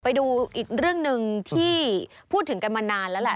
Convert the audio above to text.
ไปดูเรื่องหนึ่งที่พูดถึงมานานแล้ว